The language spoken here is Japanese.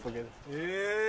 え！